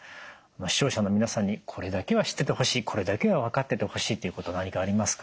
視聴者の皆さんにこれだけは知っててほしいこれだけは分かっててほしいっていうこと何かありますか？